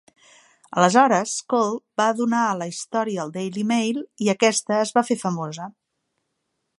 Aleshores Cole va donar la història al "Daily Mail" i aquesta es va fer famosa.